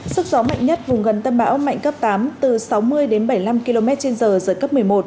sức gió mạnh nhất vùng gần tâm bão mạnh cấp tám từ sáu mươi đến bảy mươi năm km trên giờ giật cấp một mươi một